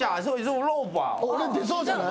俺出そうじゃない？